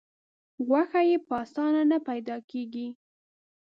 غوښه یې په اسانه نه پیدا کېږي.